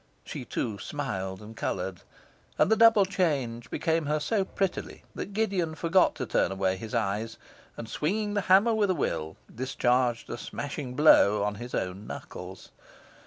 She, too, smiled and coloured; and the double change became her so prettily that Gideon forgot to turn away his eyes, and, swinging the hammer with a will, discharged a smashing blow on his own knuckles.